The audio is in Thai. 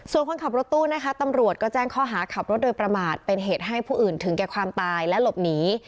ส่วนคนขับรถตู้นะคะตำรวจก็แจ้งข้อหาขับรถโดยประมาทเป็นเหตุให้ผู้อื่นถึงแก่ความตายและหลบหนี